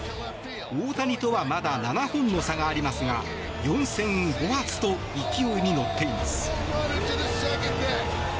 大谷とはまだ７本の差がありますが４戦５発と勢いに乗っています。